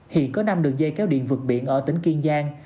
hiện có năm đường dây kéo điện vượt biển ở tỉnh kiên giang